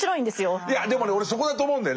いやでもね俺そこだと思うんだよね。